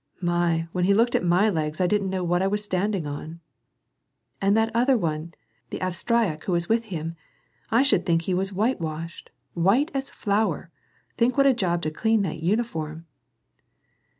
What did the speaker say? "My! when he looked at my legs I didn't know what I was standing on." "And that other one, the Avstnak who was with him! I should think he was whitewashed ! White as flour ! Think what a job to clean that uniform